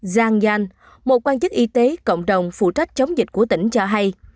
zhang yan một quan chức y tế cộng đồng phụ trách chống dịch của tỉnh cho hay